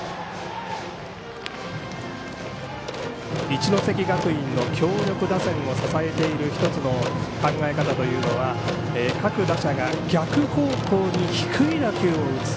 一関学院の強力打線を支えている１つの考え方というのは各打者が逆方向に低い打球を打つ。